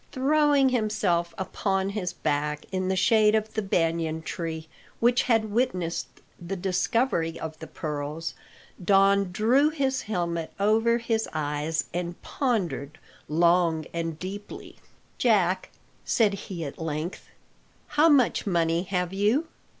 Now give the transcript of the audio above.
Throwing himself upon his back in the shade of the banyan tree which had witnessed the discovery of the pearls, Don drew his helmet over his eyes, and pondered long and deeply. "Jack," said he at length, "how much money have you?"